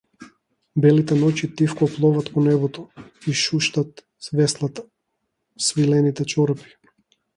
Белите ноќи тивко пловат по небото, и шуштат веслата, свилените чорапи.